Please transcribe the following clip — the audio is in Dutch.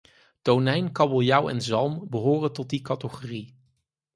Tonijn, kabeljauw en zalm behoren tot die categorie.